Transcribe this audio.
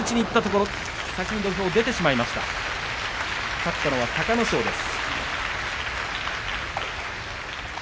勝ったのは隆の勝です。